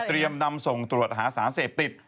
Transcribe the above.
เตรียมนำส่งตรวจหาสารเสพติด